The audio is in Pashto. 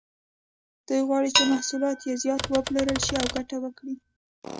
دوی غواړي چې محصولات یې زیات وپلورل شي او ګټه وکړي.